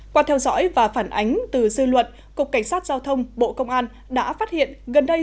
qua theo dõi và phản ánh từ dư luận cục cảnh sát giao thông bộ công an đã phát hiện gần đây